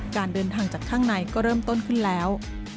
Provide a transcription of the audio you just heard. การเดินทางจากข้างในก็เริ่มต้นขึ้นแล้ว